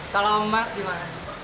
kalau emas gimana